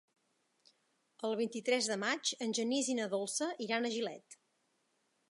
El vint-i-tres de maig en Genís i na Dolça iran a Gilet.